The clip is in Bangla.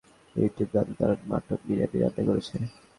ইউটিউব দাদু দারুণ মাটন বিরিয়ানি রান্না করেছে।